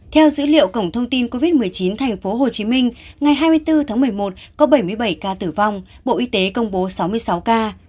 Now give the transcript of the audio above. theo dữ liệu cổng thông tin covid một mươi chín tp hcm ngày hai mươi bốn tháng một mươi một có bảy mươi bảy ca tử vong bộ y tế công bố sáu mươi sáu ca